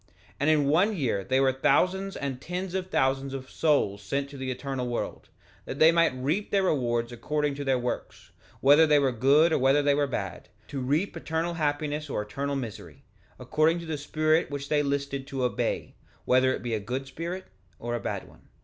3:26 And in one year were thousands and tens of thousands of souls sent to the eternal world, that they might reap their rewards according to their works, whether they were good or whether they were bad, to reap eternal happiness or eternal misery, according to the spirit which they listed to obey, whether it be a good spirit or a bad one.